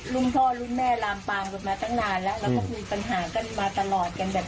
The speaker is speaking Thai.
รุ่นพ่อรุ่นแม่ลามปามกันมาตั้งนานแล้วแล้วก็มีปัญหากันมาตลอดกันแบบ